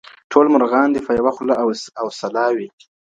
ټول مرغان دي په یوه خوله او سلا وي.